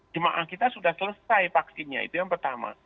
jemaah kita sudah selesai vaksinnya itu yang pertama